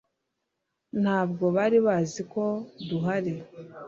Ntabwo bari bazi ko duhari